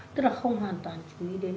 tức là không hoàn toàn chú ý đến